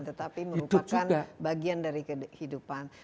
tetapi merupakan bagian dari kehidupan